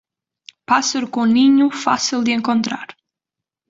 Pássaro com ninho, fácil de encontrar.